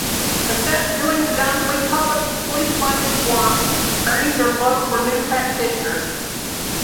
For sets doing predominantly publicly funded work, earnings are low for new practitioners.